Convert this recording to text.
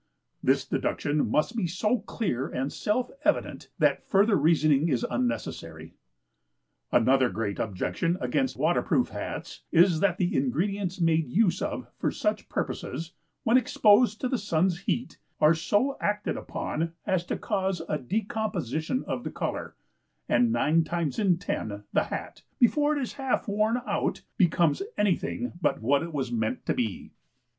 This deduction must be so clear and self evident that further reasoning is unnecessary. Another great objection against water proof Hats is, that the ingredients made use of for such purposes, when exposed to the sun's heat, are so acted upon as to cause a decomposition of the colour, and nine times in ten, the Hat, before it is half worn out, becomes any thing but what it was meant to be.